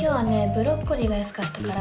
ブロッコリーが安かったから。